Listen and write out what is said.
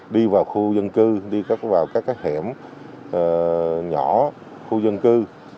đi vào khu dân cư đi vào các hẻm nhỏ khu dân cư